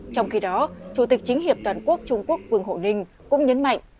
trong khi đó chủ tịch chính hiệp toàn quốc trung quốc vương hộ ninh cũng nhấn mạnh